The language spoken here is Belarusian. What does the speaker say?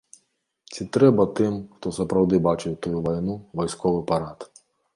Ці трэба тым, хто сапраўды бачыў тую вайну, вайсковы парад?